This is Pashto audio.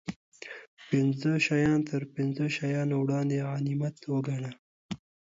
پنځه شیان تر پنځو شیانو وړاندې غنیمت و ګڼه